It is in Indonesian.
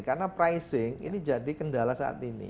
karena pricing ini jadi kendala saat ini